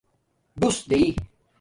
ڈݸس دائئ